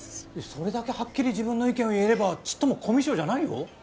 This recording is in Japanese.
それだけはっきり自分の意見を言えればちっともコミュ障じゃないよ。